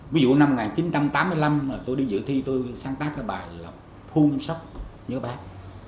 ví dụ năm một nghìn chín trăm tám mươi năm tôi đi dự thi tôi sáng tác cái bài là phun sóc nhớ bác